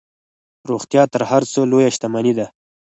روغتیا تر هر څه لویه شتمني ده.